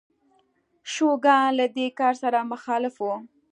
شوګان له دې کار سره مخالف و.